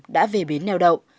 đã về biến neo đậu